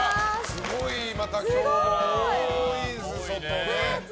すごいまた今日も多いですね、外。